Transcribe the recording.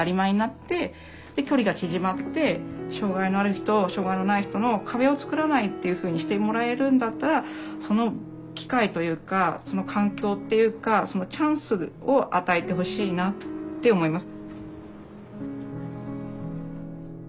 で距離が縮まって障害のある人障害のない人の壁をつくらないっていうふうにしてもらえるんだったらその機会というかその環境っていうかそのチャンスを与えてほしいなって思います。